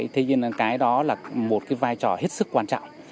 thế nhưng cái đó là một cái vai trò hết sức quan trọng